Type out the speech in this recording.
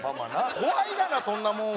怖いがなそんなもんは。